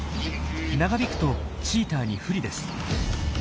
長引くとチーターに不利です。